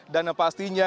dan yang pastinya